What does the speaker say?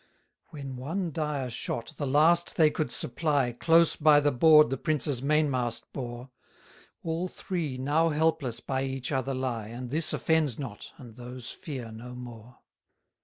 130 When one dire shot, the last they could supply, Close by the board the prince's mainmast bore: All three now helpless by each other lie, And this offends not, and those fear no more.